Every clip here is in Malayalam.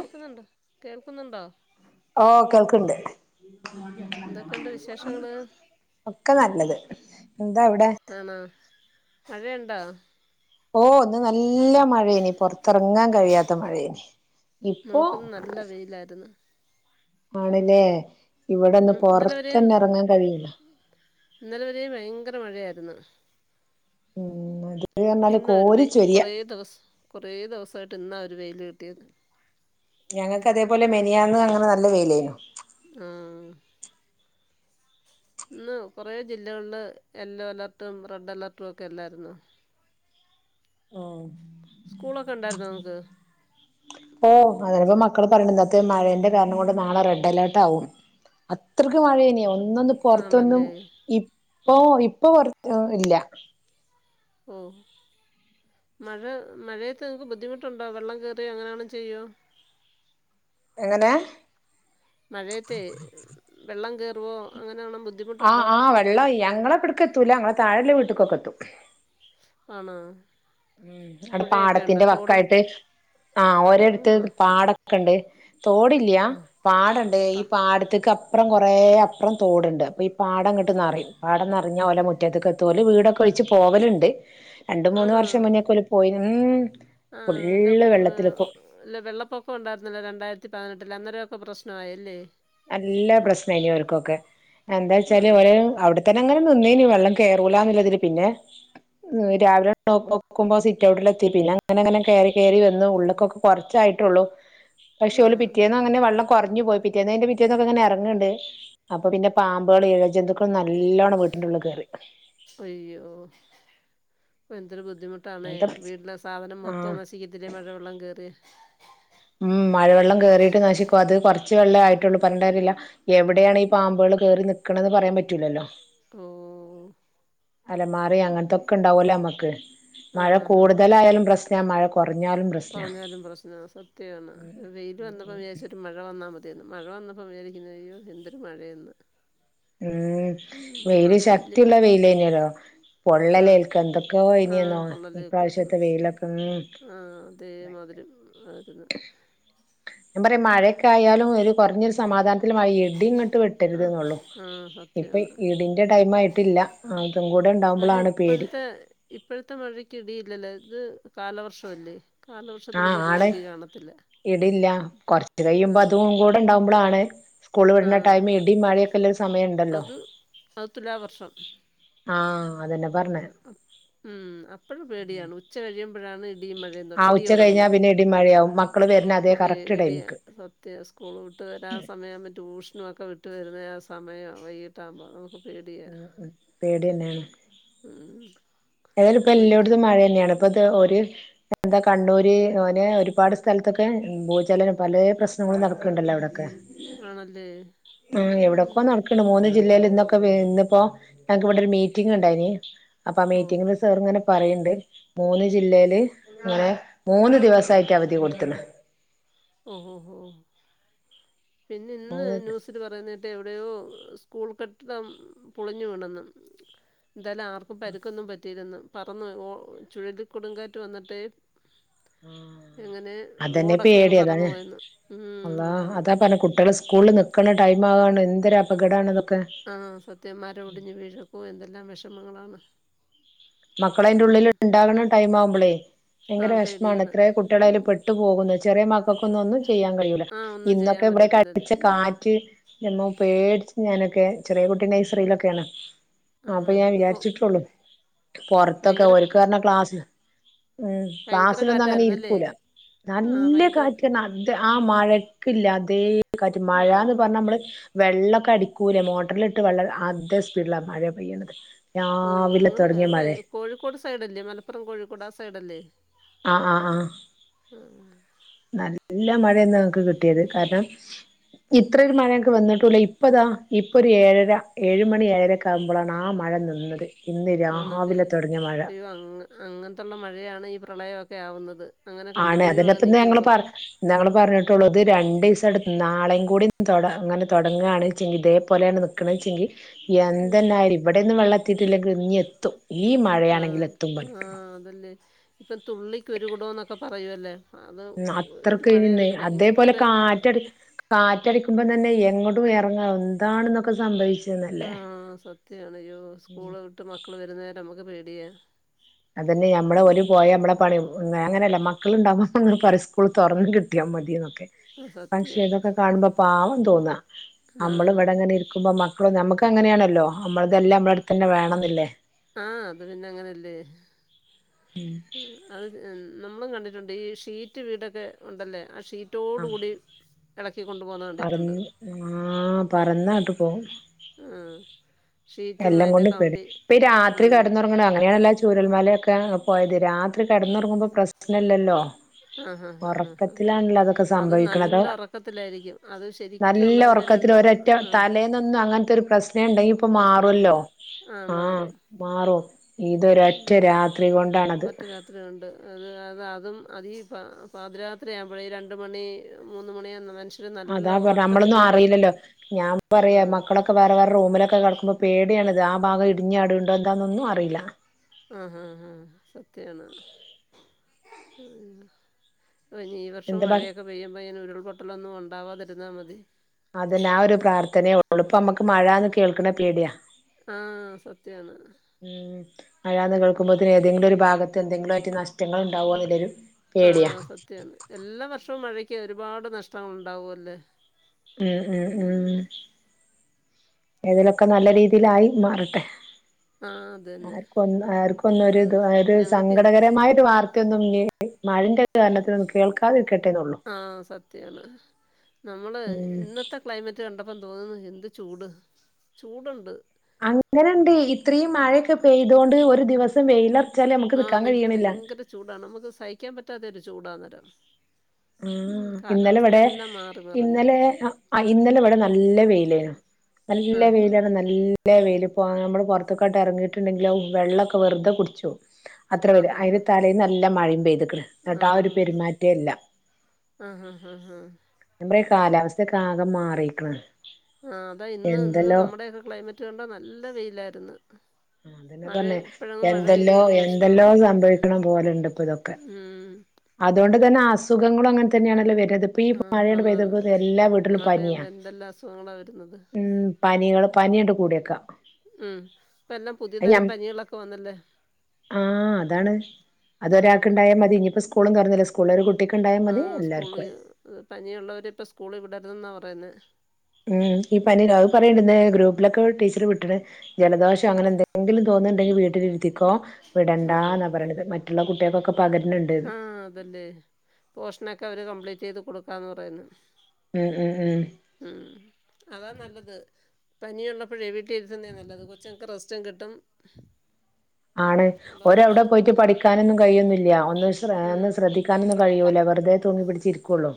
കിട്ടുന്നുണ്ടോ കേൾക്കുന്നുണ്ടോ ഓ കേൾക്ക്ണ്ട് എന്തൊക്കെയുണ്ട് വിശേഷങ്ങൾ ഒക്കെ നല്ലത് എന്താ അവിടെ ആണോ മഴയുണ്ടോ ഓ ഇന്ന് നല്ല മഴേനി പുറത്തിറങ്ങാൻ കഴിയാത്ത മഴേനി. ഇപ്പോ ല്ലായിരുന്നു ആണല്ലേ ഇവിടെ ഇന്ന് ഇന്നലെ പുറത്ത് വരെയും തന്നെ ഇറങ്ങാൻ കഴിയില്ല ഇന്നലെ വരെ ഭയങ്കര മഴയായിരുന്നു ഉം അതെ ഇന്ന് ഒരു വെയി കുറെ ദിവസ് കുറെ ദിവസമായിട്ട് ഇന്ന ഒരു വെയില് കിട്ടിയത് ഞങ്ങൾക്ക് അതേപോലെ മെനിയാന്ന് അങ്ങനെ നല്ല വെയിലായിന്നു ആഹ് ഇന്ന് കുറേ ജില്ലകളിൽ യെല്ലോ അലേർട്ടും റെഡ് അലേർട്ടും ഒക്കെല്ലായിരുന്നു ആഹ് സ്കൂളൊക്കെ ഉണ്ടായിരുന്നോ നിങ്ങക്ക് ഓ അതിപ്പോ മക്കൾ പറഞ്ഞു ഇന്നത്തെ മഴേന്റെ കാരണം കൊണ്ട് നാളെ റെഡ് അലേർട്ട് ആകും അത്രയ്ക്കും മഴയെയിന്നു ഒന്നൊന്ന് പൊറത്തൊന്നും ആണല്ലേ ഇപ്പൊ ഇപ്പൊ പുറത്ത് ഇല്ല മ് മഴ മഴയത്ത് നിങ്ങൾക്ക് ബുദ്ധിമുട്ടുണ്ടോ വെള്ളം കയറി അങ്ങനെയാണ ചെയ്യോ എങ്ങനെ മഴയത്തെ വെള്ളം കേയറുവോ അങ്ങനൊ ബുദ്ധിമുട്ട് ആ ആ വെള്ള ഞങ്ങളെ ഇവിട്ക്ക് എത്തൂല ഞങ്ങളെ താഴെ വീട്ടക്കൊക്കെ എത്തും ആണോ മ് അവിടെ പുഴയൊക്കെ ഉണ്ടോ പാടത്തിന്റെ തോടും വക്കായിട്ട് ആ ഓരോടുത്ത് ആ പാടൊക്കണ്ട് തോടില്ല്യ ആ പാടണ്ട് ആ ഈ പാടത്ത്ക്ക് അപ്പുറം കുറേ അപ്പുറം തോടുണ്ട് അപ്പോ ഈ പാടം ഇങ്ങണ്ട് നിറയും നി പാടം നിറഞ്ഞാൽ ഓലെ മുറ്റത്ത്ക്ക് എത്തും വീടക്കെ വെച്ച്പോവലുണ്ട് രണ്ടു മൂന്ന് ആണോ വർഷം മുന്നേക്കെല പോയി മ് ആ അല്ല ഫുള്ള് കൊ വെള്ളത്തിൽ ഇപ്പൊ അല്ല വെള്ളപ്പൊക്കം ഉണ്ടായിരുന്നില്ലോ രണ്ടായിരത്തി പതിനെട്ടിൽ അന്നേരക്കെ പ്രശ്നമായല്ലേ നല്ല പ്രശ്നമായി ഓൾക്ക് ഒക്കൊ എന്താ വച്ചാല് ആണോ ഓരെ അവിടെ അവിടെ തന്നെ നിന്നിന് വെള്ളം കേറൂല എന്നുള്ളതിൽ പിന്നെ രാവിലെ നോക്കുമ്പോ സിറ്റ് ഔട്ടിലെത്തി പിന്നെ അങ്ങനെ അങ്ങനെ കയറി കയറി വന്ന് ഉള്ളക്ക് ഒക്കെ കുറച്ചായിട്ടുള്ളൂ പക്ഷേ ആ ഓൽ പിറ്റേന്ന് അങ്ങനെ വെള്ളം കുറഞ്ഞു പോയി പിറ്റേന്നെൻ്റെ പിറ്റേന്ന് പിറ്റേന്ന് ഒക്കെ ഇങ്ങനെ ഇറങ്ങണ്ട് അപ്പൊ പിന്നെ പാമ്പുകളും ഇഴജന്തുക്കളും നല്ലവണ്ണം വീട്ടിന്റെ ഉള്ളിൽ കയറി അയ്യോ എന്തൊരു ബുദ്ധിമുട്ടാണ് അങ്ങനത്തെ വീട്ടിലെ സാധനം ആഹ് മൊത്തം നശിച്ചു ചിക്കതിെ മഴവെള്ളം കയറി ഉം മഴവെള്ളം കയറിയിട്ട് നശിക്കും അത് കുറച്ച് വെള്ളം ആയിട്ടുള്ളൂ പറഞ്ഞിട്ട് കാര്യല്ല എവിടെയാണ് ഈ പാമ്പുകൾ കയറി നിക്കണന്ന് പറയാൻ പറ്റൂലല്ലോ ഓ അലമാറി അങ്ങനത്തൊക്കെ ഉണ്ടാവല്ലേ നമ്മക്ക് ആ മഴ ഹാ ഹാ കൂടുതലായാലും പ്രശനം ഞാ മഴ കൊറഞ്ഞാലും പ്ര കുറഞ്ഞാലും പ്രശ്ന സത്യണ് വെയില് വന്നപ്പോ വിചാച്ചു ഒരു മഴ വന്നാ മതി മഴ വന്നപ്പോ വിചാരിക്കുന്നത് അയ്യോ എന്തൊരു മഴയന്ന് ഉം വെയില് വലിയ ശക്തിയുള്ള വെയിലെനിയലോ ആ പൊള്ളലേൽക്ക എന്തൊക്കെ ആ ഏനെലോ ഈ പ്രാവശ്യത്തെ വെയിലൊക്കെ ഉം ആഹ് അതേമാതിരിം [unintelligible] ഞാൻ പറയാ മഴയക്ക ആയാലും ഒരു കുറഞ്ഞൊരു സമാധാനത്തില് മഴ ഇടിങ്ങ ട്ട് ആ വെട്ടരുത് ന്നള്ളു ആ ഇപ്പം സത്യമാണ് ഇടിൻ്റെ ടൈംയിട്ടില്ല അതും കൂടെ അല്ല ഇണ്ടാകുമ്പളാണ് പേടി ഇപ്പോഴത്തെ ഇപ്പോഴത്തെ മഴയ്ക്ക് ഇടിയില്ലല്ലേ ഇത് കാലവർഷല്ലേ കാലവർഷത്തിന് ആഹ് പൊതുവേ ആണ് ഇടി കാണത്തി ഇടില്ല കുറച്ച് കഴിയുമ്പോ അതും കൂടെ ഇണ്ടാവുമ്പളാണ് സ്കൂള് ആ വിടണ ടൈം ഇടി മാഴയൊക്കെല്ലരു സമയണ്ടല്ലോ അത് അത് തുലാവർഷം ആഹ് അതെന്നെ പർണേ. ഉം. അപ്പഴും പേടിയാണ് ഉച്ച കഴിയുമ്പോഴാണ് ഇടിയും മഴയൊ ആ ഇടി ഉച്ച കഴിഞ്ഞാ തൊടങ്ങുന്നേ പിന്നെ ഇടി മഴയാവും മക്കള് ഓ വരുന്ന അതേ അപ്പം കറക്റ്റ് പേടിയാ ടൈമിക്ക് സ ത്യം സ്കൂൾ വിട്ട് വരാൻ സമയാവുമ്പ ട്യൂഷനും ഒക്കെ വിട്ട് വരുന്ന ആഹ് സമയ വൈകട്ടാവുമ്പോ നമക്ക് ഉം ഉം പേടിന്നെണ് ഉം. ഏതാലും ഇപ്പോ ഒരിക്കെ എല്ലോട്ത്തും മഴ ന്നെണ് അപ്പ അത് ഒര് എന്താ കണ്ണൂര് ഓനെ ഒരുപാട് സ്ഥലത്തൊക്കെ ഭൂചലനം പലേ പ്രശ്നങ്ങളും നടക്ക്ണ്ടല്ലോ അവ്ടെക്കെ. ആണല്ലേ ആഹ് ഉം എവ്ടൊകൊ ന ക്ക്ണ് മൂന്ന് ജില്ലയില് ഇന്നൊക്കെ ഇന്ന്പ്പോ എന്ക്ക് ഇവിടെ ഒരു മീറ്റിംഗ്ണ്ടായിനി അപ്പൊ മീ ഓ സാറിങ്ങനെ പറിണ്ട് മൂന്ന് ജില്ലയില് ഇങ്ങനെ മൂന്ന് ദിവസായിട്ട് അവധി കൊട്ത്ത്ണ്. ഓ ഓ ഓ പിന്നെ ഇന്ന് മൂന്ന് ന്യൂസി എന്തു പറയുന്നെട്ട് എവിടെയോ സ്കൂൾ കെട്ടിടം പൊളിഞ്ഞു വീണെന്നും. എന്തായാലും ആർക്കും പരുക്കൊന്നും പറ്റിയില്ലെന്ന് പറന്ന് ചുഴലിക്കൊടുങ്കാറ്റ് വന്നിട്ടേ എങ്ങനെ ഓട ഏതാലേ അള്ളാ അത പ കുട്ട്യാള് സ്കൂളില് നിക്ക്ണ ടൈം ആകാണ് എന്തൊര് അപകടാണ് ഇതോക്കെ ആഹ് സത്യം മരം ഒടിഞ്ഞ് വീഴക്കൂ എന്തെല്ലാം വിഷമങ്ങളാണ് മക്കളയിൻ്റെ ഉം ഉള്ളില് ഇണ്ടാക്ക്ണ ടൈം ആവുമ്പോളേ ആ ഭയങ്കര വിഷമാണ് പേടിയാണ് ഇത്ര കുട്ടിളൈല് ഉം പെ ട്ട് പോകുന്നു ചെറിയ മക്കൾക്കൊന്ന ഒന്നും ചെയ്യാൻ കഴിയൂല ആ ഒന്നും ചെയ്യാൻ ഇന്നൊക്കെ ഇവിടെക്കെ പറ്റത്തില്ലല്ലേ അടിച്ചെ കാറ്റ് ൻ്റെമ്മോ പേടിച്ച് ഞാനൊക്കെ ചെറിയ കുട്ടിയ നൈസറിയിലൊക്കെണ്. ആ അപ്പൊ ഹാ ഞാൻ ഹാ ഓ വിചാരിട്ടുള്ളൂ പൊറത്തൊക്കെ ഭയങ്കര ക- ഓല്ക്ക് പറ്ഞാ ക്ലാസ്സ്‌ ഭയങ്കര ക്ലാസിലൊന്നും അങ്ങനെ കാറ്റായിരുന്നല്ലേ ഇരിക്കൂല ആ നല്ല ഭയങ്കര കാറ്റ്ന്ന അത് ആഹ് മഴ ക്ക് ല്ലാത്തെ കാറ്റ് ആ മഴന്ന് പറ്ണ മ്മള് വെള്ളക്കെ അടിക്കൂലെ മോട്ടറിലിട്ട് വെള്ള ആദേ സ്പീഡിലാ മഴ പെയ്യ്ണത്. ഓഹ് നിങ്ങള് എവിടെ കോഴിക്കോട് സൈഡല്ലേ മലപ്പുറം കോഴിക്കോട് ആഹ് സൈഡല്ലേ. ആഹ് ആഹ് ആഹ്. ആഹ് നല്ല മഴയെന്ന് ഞങ്ങക്ക് കിട്യത് കാര്ണം ഇത്രൊരു മഴയൊക്കെ വന്നിട്ടുംല്ല ഇപ്പതാ ഇപ്പൊ ഒരു ഏഴര ഏയ് മണി ഏഴരക്ക് ണ്ടാവുമ്പളാണ് ആഹ് മഴ നിന്നത് ഇന്ന് രാവിലെ തോടങ്ങ്യ മഴ. [unintelligible] അങ്ങ് അങ്ങനത്തുള്ള മഴയാണ് ഈ പ്രളയവൊക്കെ ആവുന്നത്. അങ്ങനെ ആണ് കണ്ടിന്യൂ അങ്ങ് അതന്നെപ്പൊ ഇന്ന് ഞങ്ങള് പറ നിൽക്കുമ്പം ഞങ്ങള് പാറഞ്ഞിട്ടൊള്ളൂ ഇത് രണ്ടീസം ആണ്ട് നാളെയും കൂടി തൊട ഇങ്ങനെ തൊടങ്ങാണ് വെച്ചെങ്കി ഇതേ പോലെയാണ്. നിക്ക്ണെച്ചെങ്കി എന്തെന്നേ ആയാലും ഇവിടെന്നും വെള്ളത്തിയിട്ടില്ലെങ്ക ഇഞ്ഞ് എത്തും. ഈ മഴയാണെങ്കിലെത്തും വെള്ളം ഇപ്പൊ തുള്ളിക്ക് ഒരു കുടൊന്നൊക്കെ പറയൊല്ലോ? ഉം അത്രക്കുവേനിന്ന് അതേപോലെ കാറ്റടി കാറ്റടിക്കുമ്പം തന്നെ എങ്ങോട്ടും എറങ്ങാ എന്താണ് ഇന്നൊക്കെ സംഭവിച്ചെ ആഹ് സത്യവാണ് അയ്യോ! സ്കൂള് വിട്ട് മക്കള് വരുന്നവരെ നമ്മുക്ക് പേടിയാ. അതന്നെ ഞമ്മള് ഓല് പോയ നമ്മളെ പറിയും ഒന്ന് അങ്ങനെല്ല മക്കളുണ്ടാവുമ്പോ നമ്മള് പറയും സ്കൂള് തൊറന്ന് കിട്ടിയാ മതി എന്നൊക്കെ. ആഹ് പക്ഷെ സത്യാ ഇതൊക്കെ കാണുമ്പോ പാവം തോന്നാ നമ്മള് ആഹ് ഇവിടെങ്ങനെ ഇരിക്കുമ്പോ മക്ക ളും നമ്മക്ക് അങ്ങനെയാണല്ലോ നമ്മൾതെല്ലാം നമ്മടെ അടുത്തന്നെ വേണംന്നല്ലേ? ആഹ് അത് പിന്നെ അങ്ങനെയല്ലേ? ഉം അത് നമ്മളും കണ്ടിട്ടുണ്ട് ഈ ഷീറ്റ് വീടൊക്കെ ഉണ്ടല്ലേ ആ ഷീറ്റ് ഷീറ്റോടു ആഹ് കൂടി എളക്കിക്കൊണ്ടു പോകുന്നത് കണ്ടിട്ടുണ്ട്. പറന്ന് ആഹ് പറന്നാട്ട് പോവും. ആഹ് ഷീറ്റും എല്ലാം അയ്ന്റെ കൊണ്ടും പേടി കമ്പി. ഇപ്പ ഈ രാത്രി ഉം. കിടന്നുറങ്ങണ അങ്ങനെയാണല്ലോ ആ ചൂരൽ മലയൊക്കെ പോയത്. രാത്രി കെട്ന്നൊറങ്ങുമ്പോ പ്രശ്നല്ലല്ലോ ആഹ് ഹാ ഹാ ഹാ. ഉറക്കത്തിലാണല്ലോ അതൊക്കെ അതും സംഭവിക്കണത് നല്ല ഒറക്കത്തിലായിരിക്കും. അതും ശരി നല്ല ഒറക്കത്തില് ഒരൊറ്റ തലേന്നൊന്നും അങ്ങൻത്തെരു പ്രശ്നേ ഇണ്ടെങ്കി ഇപ്പൊ മാ പ്രശ്നമില്ല മാറുവല്ലോ?. ആഹ് മാറും ഇതൊരൊറ്റ രാത്രി കൊണ്ടാണത്. ഒറ്റ രാത്രി കൊണ്ട് അത് അത് അതും അത് ഈ പതിരാത്രിയാകുമ്പഴേ, രണ്ട് മണി മൂന്ന് മണിയെന്ന് മനുഷ്യ അതാ പറഞ്ഞെ അമ്മളൊന്നും അറീല്ലല്ലോ? ഞാൻ പറയാ മക്കളൊ ആഹ് മക്കളൊക്കെ വേറെ വേറെ റൂമിലൊക്കെ കടക്കുമ്പോ പേടിയണിത് ആ ഭാഗം ഇടിഞ്ഞാട്ണ്ടോ എന്താന്നൊന്നും അറീല. ആഹ് ആഹ് ആഹ്. സത്യവാണത്. ആഹ് ഇഞ്ഞ് ഈ വർഷവും എന്ത് ഭ മഴയൊക്കെ പെയ്യുമ്പോയിങ്ങനെ ഉരുൾപൊട്ടലൊന്നും ഉണ്ടാവാതിരുന്നാ മതി. അതന്നെ ആ ഒരു പ്രാർത്ഥനേയൊള്ളൂ. ഇപ്പൊ അമ്മക്ക് മഴാന്ന് കേൾക്ക്ണെ പേടിയാ. ആഹ്. സത്യവാണത് ഉം. മഴാന്ന് കേൾക്കുമ്പോത്തിന് ഏതെങ്കിലൊര് ഭാഗത്ത് എന്തെങ്കിലുവായിറ്റ് നഷ്ട്ടങ്ങള് ഇണ്ടാവോന്ന്ല്ലൊര്. ആഹ്. സത്യാണ്. എല്ലാ വർഷവും മഴക്ക് ഒരുപാട് നഷ്ടങ്ങള്ണ്ടാവുവല്ലേ? ഉം ഉം ഉം. ഏതായിലൊക്കെ നല്ല രീതിയിലായി മാറട്ടെ. ആഹ് അതന്നെ ആർക്കും ഒന്ന് ആർക്ക് ഉം, ഒന്നൊരിതും ഒരു ഞങ്ങൾക്ക് സങ്കടകരമായ ഒരു വാർ ത്തയൊന്നും ഇഞ് മഴന്റെ കാരണത്തിലൊന്നും കേൾക്കാതിരിക്കട്ടേ എന്നൊള്ളൂ. ആഹ് സത്യവാണ് നമ്മള് ഉം ഇന്നത്തെ ക്ലൈമറ്റ് കണ്ടപ്പം തോന്നുന്നു എന്ത് ചൂട്. ചൂടുണ്ട്. അങ്ങനെണ്ട്. ഇത്രീം മഴൊക്കെ പെയ്തോണ്ട് ഒരു ദിവസം വെയ്ലർ ആഹ്. ഒന്നെങ്കി ഭയങ്കര ചൂടാണ്. നമുക്ക് സഹിക്കാൻ പറ്റാത്ത ഒരു ചൂടാ അന്നേരം. ആഹ് ഇന്നലെ ഇവടെ. മറിഞ്ഞ് ഇന്നലെ ആഹ് ഇന്നലെ ഇവടെ നല്ല വെയിലേനു. നല്ല ആഹ് വെയിലർഞ്ഞാ നല്ല ഹല്ല വെയില്. പോ നമ്മള് പൊർത്ത്ക്കാട്ട് എറങ്ങിയിട്ടുണ്ടെങ്കില് ഹാവൂ വെള്ളൊക്കെ വെറ്തെ കുടിച്ചോവും അത്ര വെയില്. ആഹ് അയ്ന്റെ ആഹ് തലേന്ന് നല്ല മഴിം പെയ്ത്ക്ക്ണ്. ഇന്ന്ട്ട് ആ ഒരു ആഹ് പെരുമാറ്റേയില്ല. ആഹ് ആഹ് ആഹ് ആഹ്. നമ്മുടെ കാലാവസ്ഥ ഒക്കെ ആകെ മാറിക്കേണ്. ആഹ് അതാ ഇന്ന് ഇന്ന് നമ്മുടെ ഒക്കെ ക്ലൈമറ്റ് കണ്ടാൽ നല്ല വെയിലായിരുന്നു. അതെന്നെ മഴ പറഞ്ഞെ ഇപ്പഴെങ്ങും മഴ പെയ്ത എന്തെല്ലോ ഒരു ലക്ഷണവും എന്തെല്ലോ ഇല്ല സംഭവിക്കേണ് പോലെയുണ്ട് ഇപ്പൊ ഇതൊക്കെ. ഉം അതോണ്ട് തന്നെ അസുഖങ്ങളും അങ്ങനെ തന്നെയാണല്ലോ വരുന്നേ. ഇപ്പൊ ഈ മഴ ആഹ് അങ്ങട് പെയ്തു ആന്നാന്ന് അപ്പോ എല്ലാ വീട്ടിലും പനിയാ മഴയാകുമ്പോ എന്തെല്ലാം അസുഖങ്ങളാ വരുന്നത് ഉം. പനികള് പനി അങ്ങട് കൂടിയേക്കാം. ഉം, ഇപ്പോ എല്ലാം പുതിയ തരം പനികളൊക്കെ വന്നല്ലേ? ആഹ് അതാണ് ഉം അതൊരാൾക്കുണ്ടായാൽ മതി, ഇനിയിപ്പോ സ്കൂളും തുറന്നു സ്കൂ സ്കൂളിൽ ഒരു കുട്ടിക്ക് ഉണ്ടായാൽ മതി എല്ലാർക്കും ആയി. ഏഹ് പനിയുള്ളവരെ ഇപ്പൊ സ്കൂളിൽ വിടരുതെന്ന് പറയുന്നു. ഉം, ഈ പനിയെ അത് പറയുണ്ടെന്ന് ഗ്രൂപ്പിലൊക്കെ ടീച്ചർ വിട്ടുന്നെ ജലദോഷം ഉം അങ്ങനെ എന്തേലും. എങ്കിലും തോന്നുന്നുണ്ടെങ്കിൽ വീട്ടിൽ ഇരുത്തിക്കോ, വിടണ്ട ആഹാ എന്നാ പറയണത്, മറ്റുള്ള കുട്ടികൾക്ക് ഒക്കെ പകരുന്നുണ്ട്. ആഹ് അതെന്നെ പോഷൻ ഒക്കെ അവര് കംപ്ലീറ്റ് ചെയ്തു കൊടുക്കാ എന്നു പറയുന്നു. ഉം ഉം ഉം. ഉം അതാ നല്ലത്. പനിയുള്ളപ്പേഴേ വീട്ടിൽ ഇരുത്തുന്നേ നല്ലത്, കൊച്ചുങ്ങൾക്ക് റസ്റ്റും കിട്ടും. ആണ് അതാ ഓര് അവിടെ നല്ലത് പോയിട്ട് പഠിക്കാനൊന്നും കഴിയുന്നില്ല ഒന്ന്. ഉം ത്ര ശ്രദ്ധിക്കാനൊന്നും കഴിയൂല, വെറുതെ തൂങ്ങി പിടിച്ചിരിക്കൊള്ളൂ.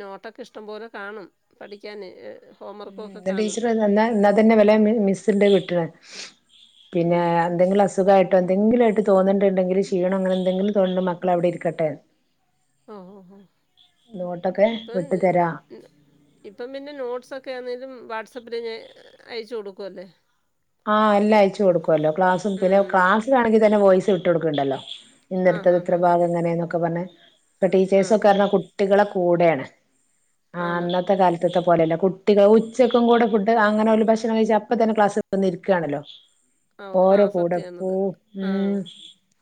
നോട്ട് ഒക്കെ ഇഷ്ടം പോലെ കാണും പഠിക്കാന് ഏഹ് ഹോംവർക്ക് ഒക്കെ ഉം കാണും. ടീച്ചർ എന്നാ എന്നാ പിന്നെ വല്ല്യ മിസ്സുണ്ട് വിട്ടാണ്, പിന്നെ ഉം എന്തെങ്കിലും അസു അസുഖായിട്ടോ എന്തെങ്കിലും ആയിട്ട് തോന്നുന്നുണ്ടെങ്കില് ക്ഷീണോ അങ്ങനെന്തെങ്കിലും തോന്നുണ്ടോ മക്കളെ അവിടെ ഇരിക്കട്ടെ. ആഹ് ഓഹ് ഓഹ് നോട്ടൊക്കെ ഇപ്പൊ വിട്ടു തരാ ഏഹ്. ഇപ്പം പിന്നെ നോട്ട്സ് ഒക്കെ ആന്നേലും വാട്സാപ്പിൽ ഞാൻ അയച്ചു കൊടുക്കുവല്ലേ. ആഹ് എല്ലാം അയച്ചു കൊടുക്കുവല്ലോ, ക്ലാസ്സും ഉം പിന്നെ ഉം ക്ലാസ്സിൽ ആണെങ്കിൽ തന്നെ വോയിസ് വിട്ടു കൊടുക്കുണ്ടല്ലോ. ഇന്ന് ആ എടുത്തത് ഹാ ഇത്ര ഹാ ഹാ ഭാഗം അങ്ങനെ എന്നൊക്കെ പറഞ്ഞ്, ഇപ്പോ ആ ടീച്ചേഴ്സ് ഒക്കെ കാര്യം കു കുട്ടികളെ കൂടെയാണ്, ആഹ് ആണ് അന്നത്തെ കാല പണ്ടത്തെ പോലെയല്ല കുട്ടികൾ ഉച്ചക്കും കൂടെ ഫുഡ്‌ അങ്ങനെ ഓല് ഭക്ഷണം കഴിച്ചു അപ്പം തന്നെ ക്ലാസ്. വന്നിരിക്കാണല്ലോ? ആ ഓ ആ ഓരോ കൂടെ പോ സത്യമാണത് ആ ഉം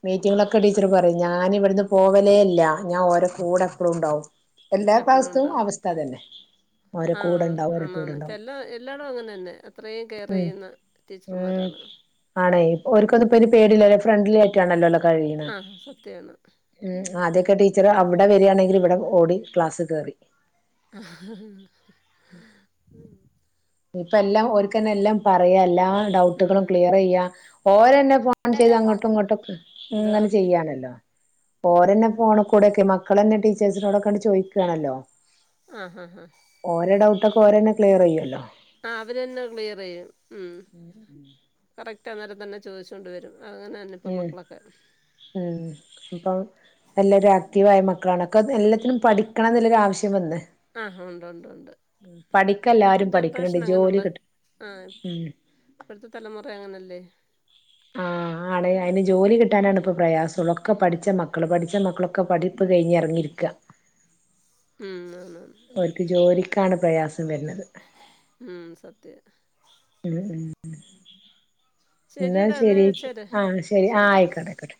മീറ്റിങ്ങിലൊക്കെ ടീച്ചർ അത് പറഞ്ഞു. ഞാന് ഇവിടുന്ന് പോവാല് ഞാൻ ഓരേ കൂടെ എപ്പളും ഉണ്ടാവും. എല്ലാ എപ്പഴും ക്ലാസ്ത്തും ഉണ്ടാവും. അവസ്ഥ അതന്നെ ഓരെ കൂടെ ആഹ് ഉണ്ടാവും ഓരെ ആണ് കൂടെ ആണ് ഉണ്ടാവും എല്ലാ എല്ലാടവും അങ്ങനെ തന്നെ അത്രയും കെയർ ചെയ്യുന്ന. ഏഹ് ടീച്ചർമാരാണ് ആണേ ഓൾക്ക് അത് ഇപ്പൊ പേടില്ലല്ലോ ഫ്രണ്ടിൽ ആയി. റ്റ് ആണല്ലോ കഴിയണേ ആ സത്യമാണ് ഉം ആദ്യയൊക്കെ മീറ്റ്. ടീച്ചറ് അവിടെ വരിയാണെങ്കിൽ ഇവിടെ ഓടി ക്ലാസ് കയറി. ഉം ഇപ്പ എല്ലാം ഓരിക്ക് തന്നെ എല്ലാം പറയാം എല്ലാ ഉം ഡൗട്ടുകളും ക്ലിയർ ചെയ്യാം ഓര് തന്നെ ഇപ്പൊ. ഫോൺ ചെയ്ത് അങ്ങട്ടും ഇങ്ങട്ടും എന്തോ ഇങ്ങനെ ചെയ്യാനല്ലോ. ഓര് തന്നെ ഫോണ് കൂടൊക്കെ മക്കള് തന്നെ ടീച്ചേഴ്സിനോടൊക്കെ അങ്ങ് ചോദിക്കുകയാണല്ലോ. ആഹ് ആഹ് ആഹ്. ഓര് ഡൌട്ട് ഒക്കെ ഓര് തന്നെ ക്ലിയർ ചെയ്യൂലോ. ആഹ് അവര് തന്നെ ക്ലിയർ ചെയ്യും ഉം. ഉം കറക്റ്റ് ആഹ് നേരം തന്നെ ചോദിച്ചോണ്ട് വരും, അങ്ങനെ തന്നെ ഇപ്പം മക്കളൊക്കെ. ഉം [unintelligible] ഇപ്പം എല്ലാരും ആക്റ്റീവായ മക്കളാണ്. ഒക്കെ എല്ലാത്തിനും പഠിക്കണം എന്നുള്ളൊരു ആവശ്യം വന്ന്. ആഹ് ഉണ്ട് ഉണ്ട് ഉണ്ട് പഠിക്ക ഇപ്പോഴത്തെ എല്ലാരും പഠിക്കണണ്ട്. ജനറേഷൻ ജോലി അങ്ങനെയുള്ള കിട്ട ആഹ് ഉം [inaudible] ഇപ്പോഴത്തെ തലമുറ അങ്ങനെയല്ലേ,? ആ, ആണ് അതിന് ജോലി കിട്ടാനാണ് ഇപ്പൊ പ്രയാസം. ഒ ക്കെ പഠിച്ച മക്കൾ.. പഠിച്ച മക്കളൊക്കെ പഠിപ്പ് കഴിഞ്ഞ് ഇറങ്ങിയിരിക്ക ഉം. അവർക്ക് ജോലിക്കാണ് പ്രയാസം വരുന്നത്. ഉം. സത്യമാണ്. ഉം ഉം [inaudible] എന്ന ശരിയടാ എന്നാ ശരി വെച്ചേര് ആ, ശരി ആ, ആയിക്കോട്ടെ ആയിക്കോട്ടെ.